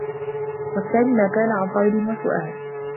وَالثَّانِي مَا كَانَ عَنْ طَلَبٍ وَسُؤَالٍ